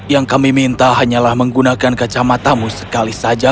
yang kami minta hanyalah menggunakan kacamata mu sekali saja